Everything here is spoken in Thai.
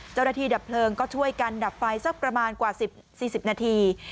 เจ้าหน้าที่ดับเพลิงก็ช่วยกันดับไฟสักประมาณกว่า๔๐นาที